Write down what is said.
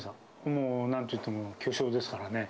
もうなんといっても巨匠ですからね。